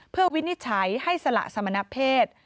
เพื่อวินิจฉัยให้สละสมณเพศ